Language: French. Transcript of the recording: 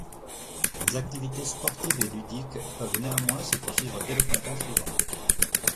Les activités sportives et ludiques peuvent néanmoins se poursuivre dès le printemps suivant.